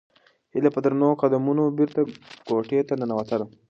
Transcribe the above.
هیله په درنو قدمونو بېرته کوټې ته ننووتله.